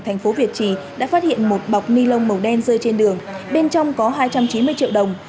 thành phố việt trì đã phát hiện một bọc ni lông màu đen rơi trên đường bên trong có hai trăm chín mươi triệu đồng